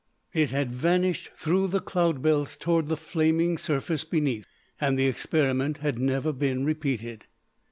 It had vanished through the cloud belts towards the flaming surface beneath and the experiment had never been repeated.